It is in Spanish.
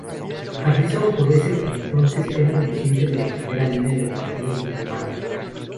Carrizo por ese entonces era un dirigente de primera línea del partido en Tucumán.